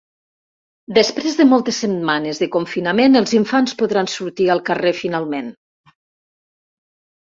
Després de moltes setmanes de confinament, els infants podran sortir al carrer, finalment.